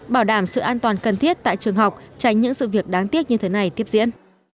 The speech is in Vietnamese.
bảo đảm sự an toàn cần thiết tại trường học tránh những sự việc đáng tiếc như thế này tiếp diễn